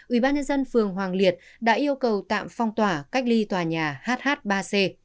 ubnd phường hoàng liệt đã yêu cầu tạm phong tỏa cách ly tòa nhà hh ba c